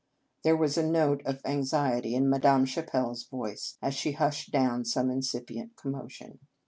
There was a note of anxiety in Ma dame Chapelle s voice, as she hushed down some incipient commotion.